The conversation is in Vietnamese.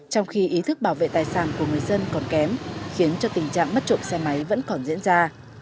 trong khi ý thức bảo vệ tài sản của người dân còn kém khiến cho tình trạng mất trộm xe máy vẫn còn diễn ra